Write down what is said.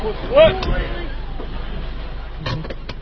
หุดี